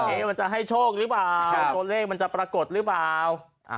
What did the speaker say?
มันจะให้โชคหรือเปล่าตัวเลขมันจะปรากฏหรือเปล่า